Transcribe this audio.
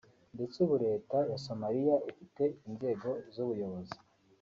ndetse ubu leta ya Somaliya ifite inzego z’ubuyobozi